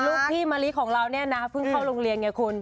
ลูกพี่มะลิของเราเนี่ยนะเพิ่งเข้าโรงเรียนไงคุณ